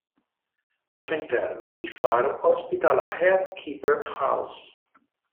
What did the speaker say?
Al suo interno il faro ospita la "Head Keeper House".